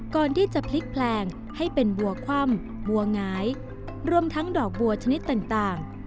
ก่อนที่จะพลิกแพลงให้เป็นบัวคว่ำบัวหงายรวมทั้งดอกบัวชนิดต่าง